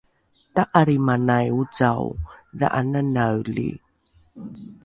ta’alrimanai ocao dha’ananaeli